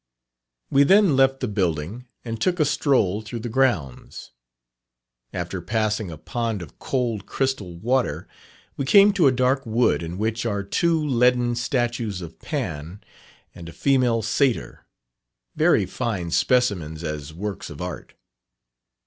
We then left the building, and took a stroll through the grounds. After passing a pond of cold crystal water, we came to a dark wood in which are two leaden statues of Pan, and a female satyr very fine specimens as works of art.